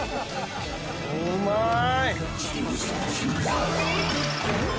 うまーい！